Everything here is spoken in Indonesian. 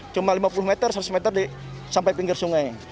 cuma lima puluh meter seratus meter sampai pinggir sungai